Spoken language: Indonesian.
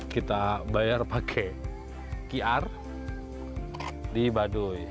kita bayar pakai qr di baduy